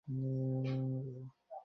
চল চল ভিতরে যা।